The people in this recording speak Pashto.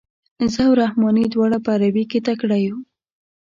زه او رحماني دواړه په عربي کې تکړه یو.